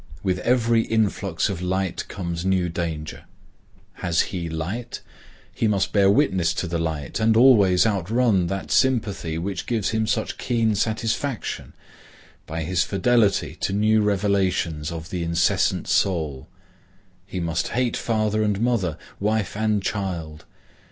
With every influx of light comes new danger. Has he light? he must bear witness to the light, and always outrun that sympathy which gives him such keen satisfaction, by his fidelity to new revelations of the incessant soul. He must hate father and mother, wife and child.